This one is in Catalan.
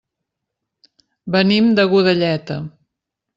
Venim de Godelleta.